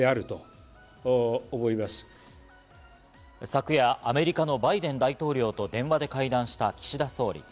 昨夜、アメリカのバイデン大統領と電話で会談した岸田総理。